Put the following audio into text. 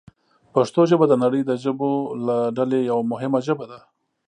پښتو ژبه د نړۍ د ژبو له ډلې یوه مهمه ژبه ده.